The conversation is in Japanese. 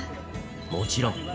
もちろん！